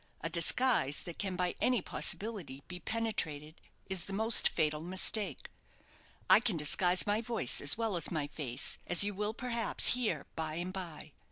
A disguise that can by any possibility be penetrated is the most fatal mistake. I can disguise my voice as well as my face, as you will, perhaps, hear by and by.